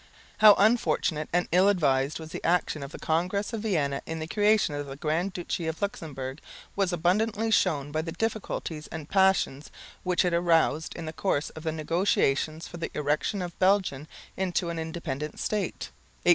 How unfortunate and ill advised was the action of the Congress of Vienna in the creation of the Grand Duchy of Luxemburg was abundantly shown by the difficulties and passions which it aroused in the course of the negotiations for the erection of Belgium into an independent state (1830 39).